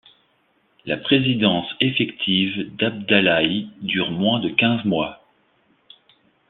La présidence effective d'Abdallahi dure moins de quinze mois.